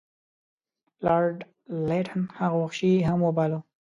لارډ لیټن هغه وحشي هم باله.